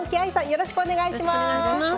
よろしくお願いします。